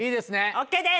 ＯＫです。